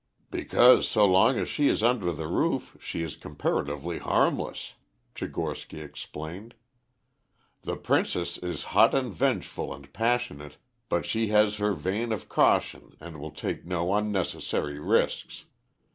"Because so long as she is under the roof she is comparatively harmless," Tchigorsky explained. "The princess is hot and vengeful and passionate, but she has her vein of caution and will take no unnecessary risks.